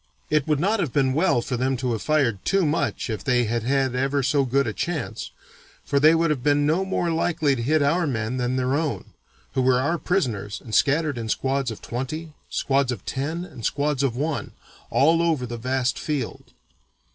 It would not have been well for them to have fired too much if they had had ever so good a chance, for they would have been no more likely to hit our men than their own, who were our prisoners and scattered in squads of twenty, squads of ten, and squads of one, all over the vast field.